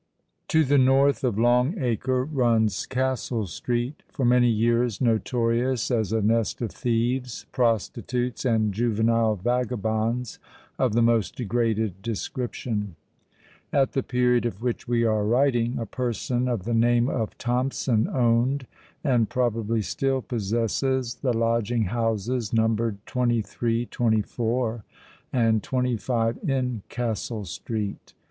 To the north of Long Acre runs Castle Street—for many years notorious as a nest of thieves, prostitutes, and juvenile vagabonds of the most degraded description. At the period of which we are writing, a person, of the name of Thompson, owned—and probably still possesses—the lodging houses numbered 23, 24, and 25 in Castle Street.